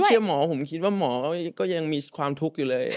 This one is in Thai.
เชื่อหมอผมคิดว่าหมอก็ยังมีความทุกข์อยู่เลย